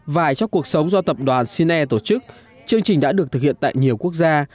và trong cuộc sống do tập đoàn sine tổ chức chương trình đã được thực hiện tại nhiều quốc gia